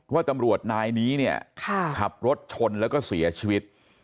ว่าตำรวจนายนี้เนี่ยขับรถชนแล้วก็เสียชีวิต